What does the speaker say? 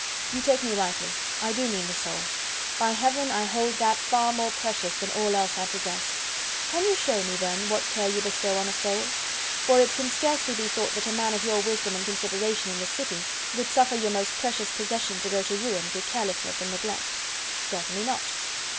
"You take me rightly; I do mean the soul. By Heaven, I hold that far more precious than all else I possess. Can you show me then what care you bestow on a soul? For it can scarcely be thought that a man of your wisdom and consideration in the city would suffer your most precious possession to go to ruin through carelessness and neglect." "Certainly not."